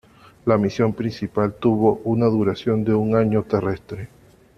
La misión principal tuvo una duración de un año terrestre.